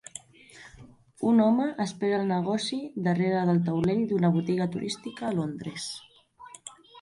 Un home espera el negoci darrere del taulell d'una botiga turística a Londres